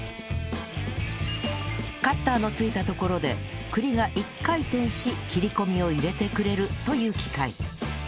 カッターのついたところで栗が一回転し切り込みを入れてくれるという機械